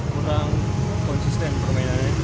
kurang konsisten permainannya